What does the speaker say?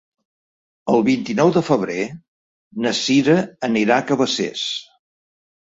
El vint-i-nou de febrer na Sira anirà a Cabacés.